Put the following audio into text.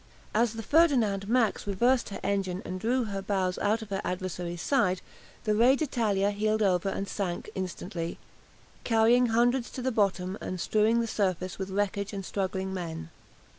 As the "Ferdinand Max" reversed her engines and drew her bows out of her adversary's side, the "Re d'Italia" heeled over and sank instantly, carrying hundreds to the bottom and strewing the surface with wreckage and struggling men.